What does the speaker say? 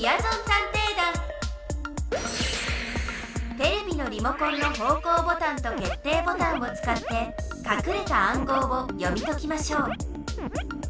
テレビのリモコンの方向ボタンと決定ボタンをつかってかくれた暗号を読み解きましょう。